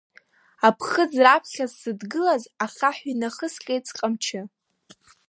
Аԥхыӡ Раԥхьа сзыдгылаз ахаҳә инахысҟьеит сҟамчы…